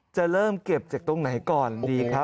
จะเริ่มเก็บจากตรงไหนก่อนดีครับ